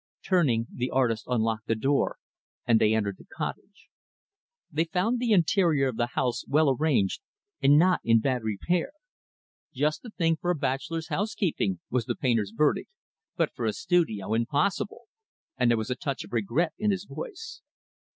Turning, the artist unlocked the door, and they entered the cottage. They found the interior of the house well arranged, and not in bad repair. "Just the thing for a bachelor's housekeeping" was the painter's verdict "but for a studio impossible," and there was a touch of regret in his voice.